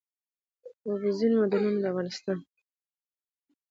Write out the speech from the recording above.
اوبزین معدنونه د افغانستان د ځانګړي ډول جغرافیه استازیتوب کوي.